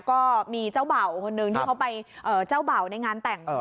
ก็มีเจ้าเบ่าคนนึงที่เขาไปเจ้าเบ่าในงานแต่ง